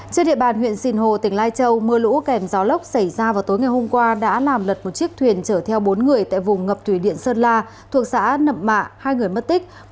trên địa bàn huyện sinh hồ tỉnh lai châu mưa lũ kèm gió lốc xảy ra vào tối ngày hôm qua đã làm lật một chiếc thuyền chở theo bốn người tại vùng ngập thủy điện sơn la thuộc xã nậm mạ hai người mất tích